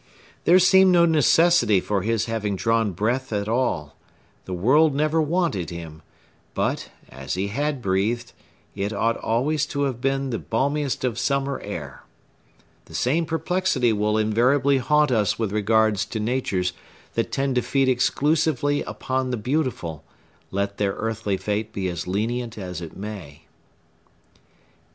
There seemed no necessity for his having drawn breath at all; the world never wanted him; but, as he had breathed, it ought always to have been the balmiest of summer air. The same perplexity will invariably haunt us with regard to natures that tend to feed exclusively upon the Beautiful, let their earthly fate be as lenient as it may.